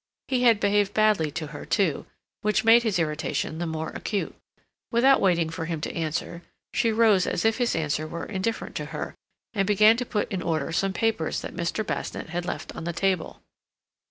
He had behaved badly to her, too, which made his irritation the more acute. Without waiting for him to answer, she rose as if his answer were indifferent to her, and began to put in order some papers that Mr. Basnett had left on the table.